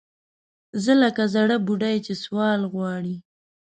زه لکه زَړه بوډۍ چې سوال غواړي